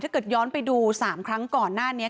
เกิดย้อนไปดู๓ครั้งก่อนหน้านี้